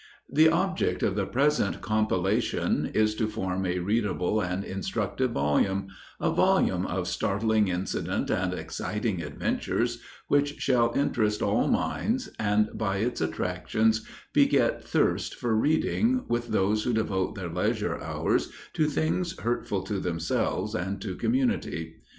The object of the present compilation is to form a readable and instructive volume a volume of startling incident and exciting adventure, which shall interest all minds, and by its attractions beget thirst for reading with those who devote their leisure hours to things hurtful to themselves and to community.